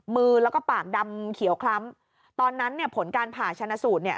มือแล้วก็ปากดำเขียวคล้ำตอนนั้นเนี่ยผลการผ่าชนะสูตรเนี่ย